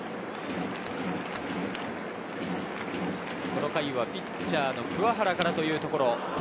この回はピッチャーの鍬原からというところ。